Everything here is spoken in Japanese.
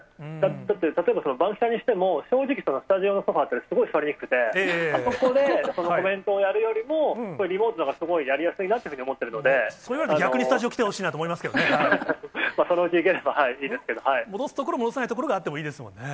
だって例えばバンキシャにしても、正直、スタジオのソファーってすごい座りにくくて、ここでコメントをやるよりも、リモートのほうがすごいやりやすいなっていうふうに思それは逆にスタジオ来てほしそのうち行ければいいですけ戻すところ、戻さないところがあってもいいですもんね。